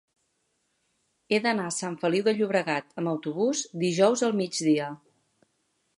He d'anar a Sant Feliu de Llobregat amb autobús dijous al migdia.